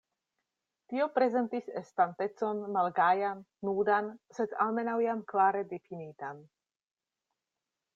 Tio prezentis estantecon malgajan, nudan, sed almenaŭ jam klare difinitan.